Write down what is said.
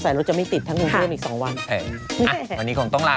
ใส่รถจะไม่ติดทั้งโรงเรียนอีก๒วัน